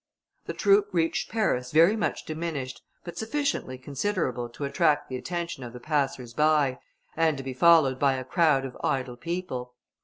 The troop reached Paris very much diminished, but sufficiently considerable to attract the attention of the passers by, and to be followed by a crowd of idle people.